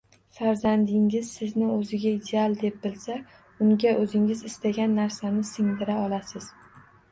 Farzandingiz sizni o‘ziga ideal deb bilsa, unga o‘zingiz istagan narsani singdira olasiz.